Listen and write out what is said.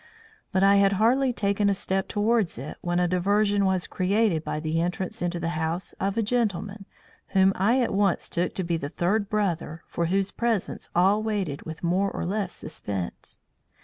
But I had hardly taken a step towards it when a diversion was created by the entrance into the house of a gentleman whom I at once took to be the third brother for whose presence all waited with more or less suspense.